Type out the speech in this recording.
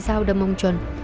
thấy dao đâm ông chân